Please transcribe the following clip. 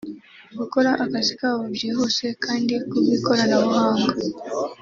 gukora akazi kabo byihuse kandi ku bw’ikoranabuhanga